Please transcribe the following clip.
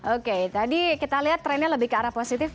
oke tadi kita lihat trennya lebih ke arah positif